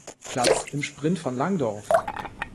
Platz im Sprint von Langdorf.